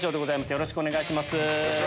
よろしくお願いします。